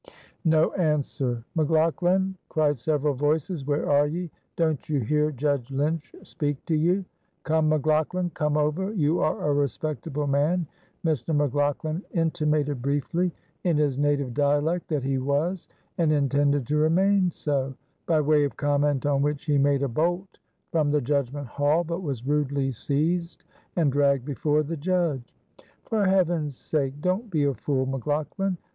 No answer. "McLaughlan," cried several voices, "where are ye? Don't you hear Judge Lynch speak to you?" "Come, McLaughlan, come over; you are a respectable man." Mr. McLaughlan intimated briefly in his native dialect that he was, and intended to remain so; by way of comment on which he made a bolt from the judgment hall, but was rudely seized and dragged before the judge. "For Heaven's sake, don't be a fool, McLaughlan.